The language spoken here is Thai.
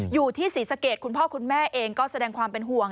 อยู่ที่ศรีสะเกดคุณพ่อคุณแม่เองก็แสดงความเป็นห่วง